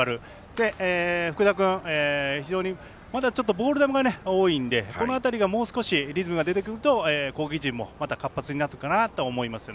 で、福田君、非常にボール球が多いんで、この辺りがもう少しリズムが出てくると攻撃陣も活発になってくるかなと思います。